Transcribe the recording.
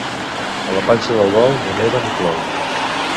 A la panxa del bou ni neva ni plou.